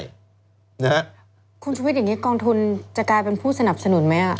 คุณชุวิตอย่างนี้กองทุนจะกลายเป็นผู้สนับสนุนไหม